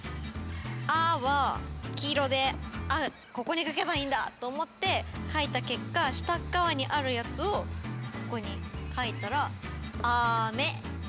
「あ」は黄色でここに書けばいいんだと思って書いた結果下っ側にあるやつをここに書いたら「あめ」。